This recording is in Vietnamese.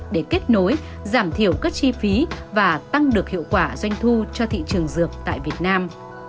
để kết nối giảm thiểu các chi phí và tăng được hiệu quả doanh thu cho thị trường dược tại việt nam